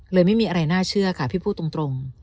ไม่มีอะไรน่าเชื่อค่ะพี่พูดตรง